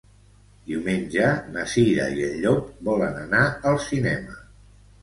Diumenge na Cira i en Llop volen anar al cinema.